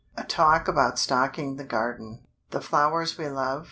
A Talk About Stocking the Garden. "The flowers we love?